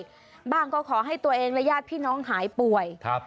บ้างก็ขอให้ตัวเองและญาติพี่น้องหายป่วยครับ